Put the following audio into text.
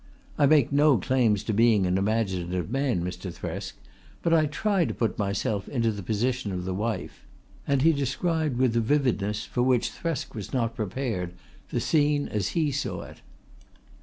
I make no claims to being an imaginative man, Mr. Thresk, but I try to put myself into the position of the wife"; and he described with a vividness for which Thresk was not prepared the scene as he saw it.